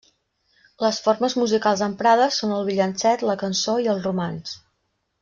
Les formes musicals emprades són el villancet, la cançó i el romanç.